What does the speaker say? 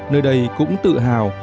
nơi đây cũng tự hào